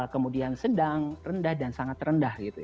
kemudian sedang rendah dan sangat rendah gitu